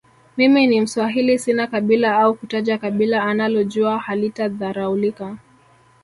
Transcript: mimi ni mswahili sina kabila au kutaja kabila analojua halitadharaulika